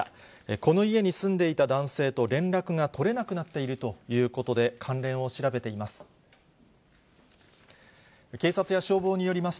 この家に住んでいた男性と連絡が取れなくなっているということで、関連を調べています。